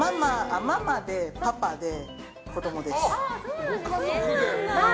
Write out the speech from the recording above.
ママでパパで子供です。